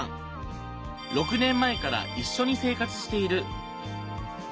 ６年前から一緒に生活している。